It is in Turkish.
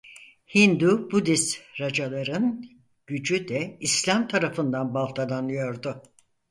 Hindu-Budist racaların gücü de İslam tarafından baltalanıyordu.